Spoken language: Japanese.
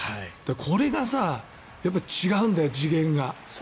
これが違うんだよ、次元が。